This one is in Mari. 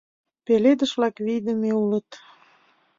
Пеледыш-влак вийдыме улыт.